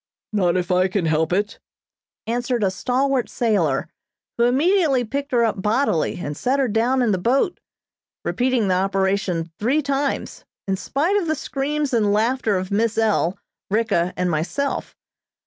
"Not if I can help it," answered a stalwart sailor, who immediately picked her up bodily and set her down in the boat, repeating the operation three times, in spite of the screams and laughter of Miss L., Ricka and myself.